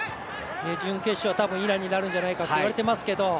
準決勝は、多分イランになるんじゃないかといわれていますが。